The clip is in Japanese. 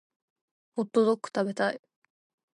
ホットドック食べたい